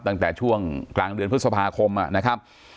ตั้งแต่ช่วงกลางเดือนพฤษภาคมนะครับ